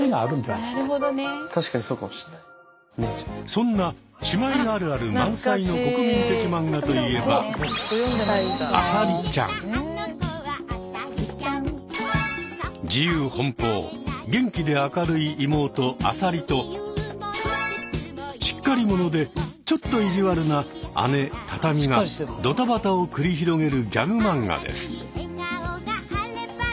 そんな姉妹あるある満載の国民的マンガといえば自由奔放元気で明るい妹・あさりとしっかり者でちょっと意地悪な姉・タタミがドタバタを繰り広げるギャグマンガです。